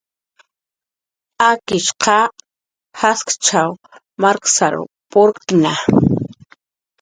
Akishq jaskichkasw markasrw purktna